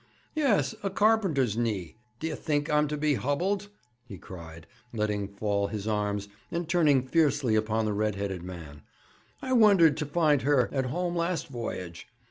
'Yes; a carpenter's knee. D'ye think I'm to be hubbled?' he cried, letting fall his arms, and turning fiercely upon the red headed man. 'I wondered to find her at home last voyage.